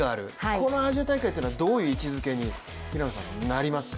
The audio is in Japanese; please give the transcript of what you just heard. このアジア大会というのはどういう位置づけになりますか？